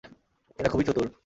এরা খুবই চতুর।